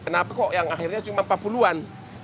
kenapa kok yang akhirnya cuma empat puluhan